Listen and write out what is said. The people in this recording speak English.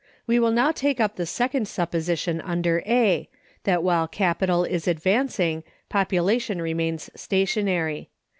We will now take up the second supposition under A, that while Capital is advancing Population remains stationary.